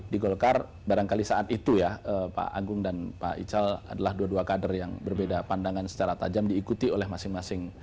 di golkar barangkali saat itu ya pak agung dan pak ical adalah dua dua kader yang berbeda pandangan secara tajam diikuti oleh masing masing